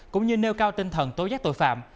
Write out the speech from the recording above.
cũng như nêu cao tinh thần tối giác tội phạm